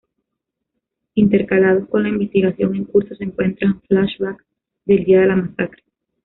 Intercalados con la investigación en curso se encuentran "flashbacks" del día de la masacre.